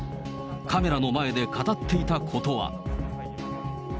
カメラの前で語っていたことは。